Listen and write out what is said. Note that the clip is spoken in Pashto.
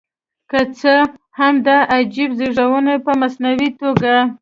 که څه هم دا عجیب زېږېدنه په مصنوعي توګه.